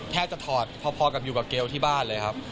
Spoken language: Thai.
แทบจะถอดพอกับอยู่กับเกลที่บ้านเลยครับ